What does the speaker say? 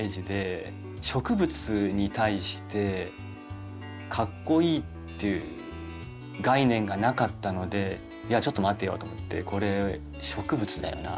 植物に対してかっこイイっていう概念がなかったのでいやちょっと待てよと思ってこれ植物だよなと思って。